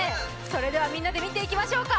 それではみんなで見ていきましょうか。